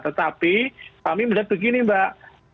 tetapi kami melihat begini mbak